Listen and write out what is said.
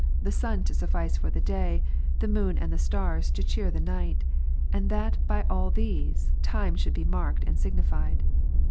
the sun to suffice for the day, the moon and the stars to cheer ^•^'^^' the night ; and that l)y all these, times should be marked and signified.